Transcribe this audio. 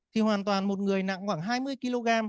thì hoàn toàn một người nặng khoảng hai mươi kg